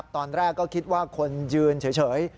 ตอนแรกก็คิดว่าคนยืนเฉย